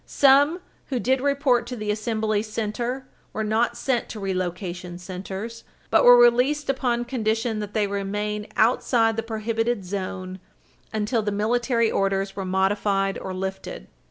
Some who did report to the assembly center were not sent to relocation centers, but were released upon condition that they remain outside the prohibited zone until the military orders were modified or lifted.